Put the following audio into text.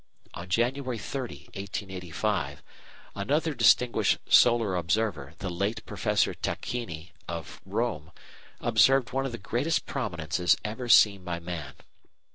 On January 30, 1885, another distinguished solar observer, the late Professor Tacchini of Rome, observed one of the greatest prominences ever seen by man.